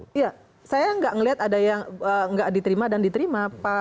saya tidak melihat ada yang tidak diterima dan diterima